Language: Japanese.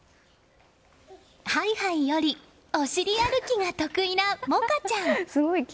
ハイハイよりお尻歩きが得意な萌夏ちゃん。